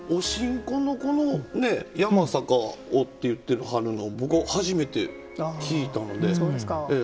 このこのやまさかをって言ってはるの僕、初めて聞いたので。